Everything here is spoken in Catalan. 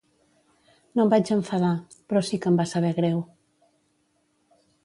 No em vaig enfadar, però sí que em va saber greu.